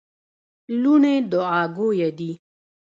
لوڼي دوعا ګویه دي.